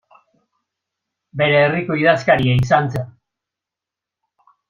Bere herriko idazkaria izan zen.